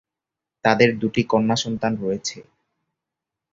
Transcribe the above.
তাদের দুটি কন্যা সন্তান রয়েছে।